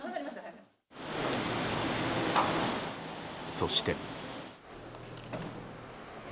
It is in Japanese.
そして。